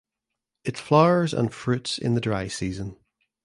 It flowers and fruits in the dry season.